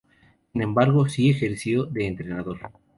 Sin embargo, si ejerció de entrenador.